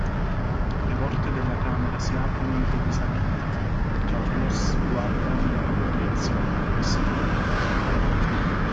Le porte della camera si aprono improvvisamente, Carlos guarda nella loro direzione e sorride.